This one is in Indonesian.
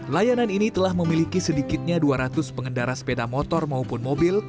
layanan ini telah memiliki sedikitnya dua ratus pengendara sepeda motor maupun mobil